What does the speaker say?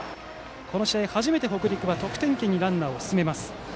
この試合初めて、北陸は得点圏にランナーを進めます。